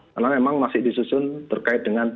karena memang masih disusun terkait dengan